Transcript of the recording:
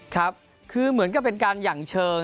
ครับคือเหมือนกับเป็นการหยั่งเชิง